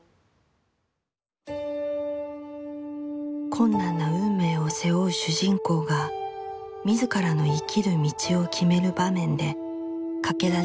困難な運命を背負う主人公が自らの生きる道を決める場面でかけられる言葉だ。